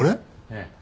ええ。